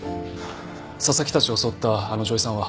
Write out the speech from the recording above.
紗崎たちを襲ったあの女医さんは？